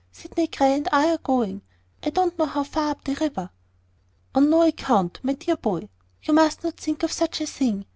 Sydney Grey and I are going, I don't know how far up the river." "On no account, my dear boy. You must not think of such a thing.